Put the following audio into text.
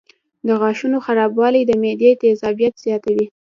د غاښونو خرابوالی د معدې تیزابیت زیاتوي.